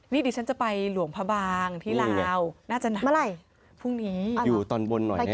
นี่ดิฉันจะไปหลวงพระบางที่ลาวน่าจะหนักเมื่อไหร่พรุ่งนี้อยู่ตอนบนหน่อยนะ